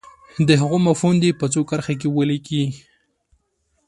د هغو مفهوم دې په څو کرښو کې ولیکي.